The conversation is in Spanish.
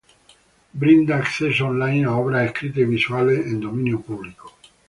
Brinda acceso online a obras escritas y visuales en dominio público.